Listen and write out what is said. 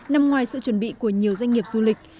nằm ngoài sự chuẩn bị của nhiều doanh nghiệp du lịch